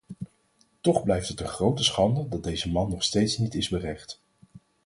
Toch blijft het een grote schande dat deze man nog steeds niet is berecht.